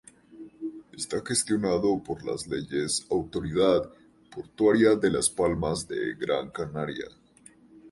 Está gestionado por la autoridad portuaria de Las Palmas de Gran Canaria.